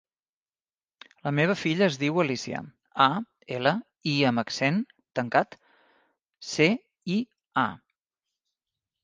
La meva filla es diu Alícia: a, ela, i amb accent tancat, ce, i, a.